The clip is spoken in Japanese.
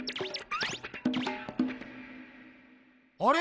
あれ？